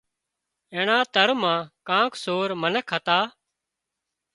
اينڻا تۯ مان ڪانڪ سور منک هتان